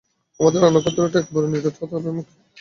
আমাদের রক্ষণটা একেবারে নিরেট হতে হবে, সেই কাজটা সহজ হবে না।